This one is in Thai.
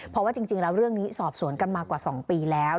เพราะว่าจริงแล้วเรื่องนี้สอบสวนกันมากว่า๒ปีแล้ว